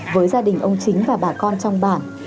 với gia đình ông chính và bà con trong bản